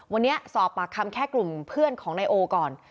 วันนี้สอบปากคำแค่กลุ่มเพื่อนของนายโอก่อน